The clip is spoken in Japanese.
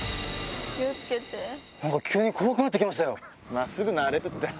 まぁすぐ慣れるって。